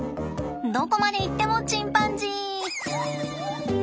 どこまでいってもチンパンジー！